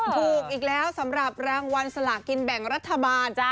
ถูกอีกแล้วสำหรับรางวัลสลากินแบ่งรัฐบาล